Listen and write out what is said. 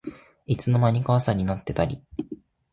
いつの間にか朝になってたり